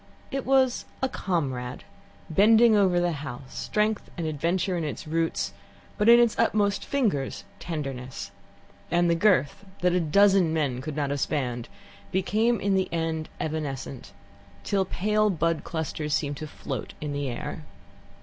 It was a comrade, bending over the house, strength and adventure in its roots, but in its utmost fingers tenderness, and the girth, that a dozen men could not have spanned, became in the end evanescent, till pale bud clusters seemed to float in the air.